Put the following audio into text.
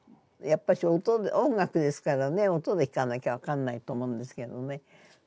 やっぱし音楽ですからね音で聞かなきゃ分かんないと思うんですけどね